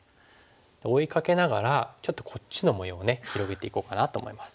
追いかけながらちょっとこっちの模様をね広げていこうかなと思います。